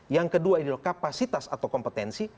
yang kedua adalah kapasitas atau kompetensi